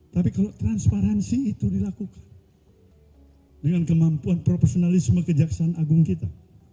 tapi kalau transparansi itu dilakukan dengan kemampuan profesionalisme kejaksaan agung kita